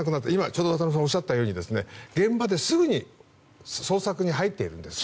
ちょうど渡辺さんがおっしゃったように現場ですぐに捜索に入っているんです。